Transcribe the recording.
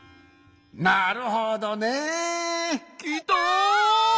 なるほどね。きた！